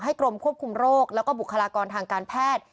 กรมควบคุมโรคแล้วก็บุคลากรทางการแพทย์